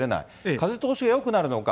風通しがよくなるのか。